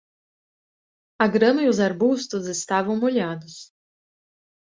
A grama e os arbustos estavam molhados.